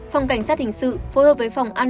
phòng cảnh sát hình sự phối hợp với phòng an ninh